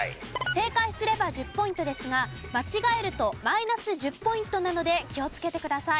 正解すれば１０ポイントですが間違えるとマイナス１０ポイントなので気をつけてください。